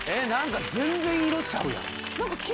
何か全然色ちゃうやん。